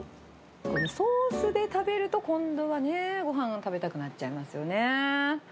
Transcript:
ソースで食べると、今度はね、ごはんが食べたくなっちゃいますよね。